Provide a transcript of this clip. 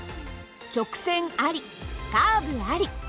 直線ありカーブあり。